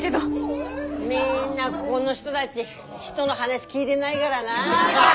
みんなこごの人たち人の話聞いでないがらな。